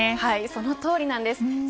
そのとおりなんです。